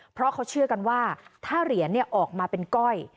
เพราะเขาเชื่อกันว่าถ้าเหรียญออกมาเป็นก้อย